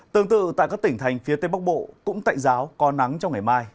tương tự tại các tỉnh thành phía tây bắc bộ cũng tạnh giáo có nắng trong ngày mai